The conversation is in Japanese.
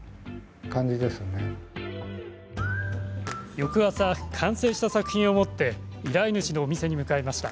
翌朝、完成した作品を持って依頼主のお店に向かいました。